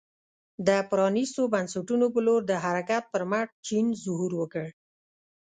د پرانیستو بنسټونو په لور د حرکت پر مټ چین ظهور وکړ.